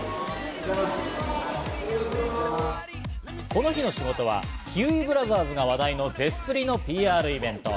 この日の仕事は、キウイブラザーズが話題のゼスプリのＰＲイベント。